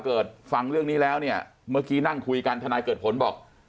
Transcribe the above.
เกิดฟังเรื่องนี้แล้วเนี่ยเมื่อกี้นั่งคุยกันทนายเกิดผลบอก